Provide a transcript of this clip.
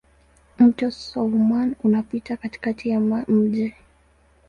Mto Soummam unapita katikati ya mji.